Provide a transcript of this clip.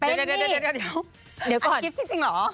เป็นนี่เดี๋ยวก่อนจริงหรอ